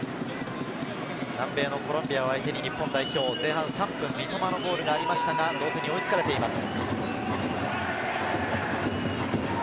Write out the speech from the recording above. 南米のコロンビアを相手に日本代表、前半３分、三笘のゴールがありましたが、その後に追いつかれています。